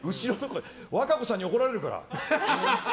和歌子さんに怒られるから。